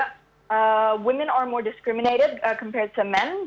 perempuan adalah lebih diskriminasi dibandingkan dengan laki laki